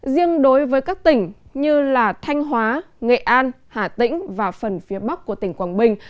riêng đối với các tỉnh như thanh hóa nghệ an hà tĩnh và phần phía bắc của tỉnh quảng bình